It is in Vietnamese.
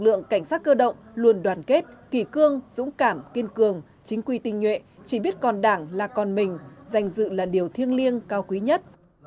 luôn đoàn kết kỳ cương dũng cảm kiên cường chính quy tinh nhuệ chỉ biết còn đảng là còn mình dành dự là điều thiêng liêng cao quý nhất